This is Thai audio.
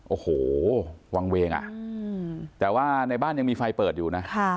โอ้โหวางเวงอ่ะแต่ว่าในบ้านยังมีไฟเปิดอยู่นะ